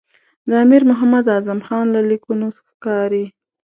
د امیر محمد اعظم خان له لیکونو ښکاري.